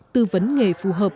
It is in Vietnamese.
tư vấn nghề phù hợp